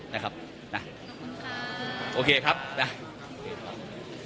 นะครับนะขอบคุณค่ะโอเคครับนะครับโอเคครับ